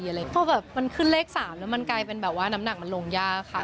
เพราะแบบมันขึ้นเลข๓แล้วมันกลายเป็นแบบว่าน้ำหนักมันลงยากค่ะ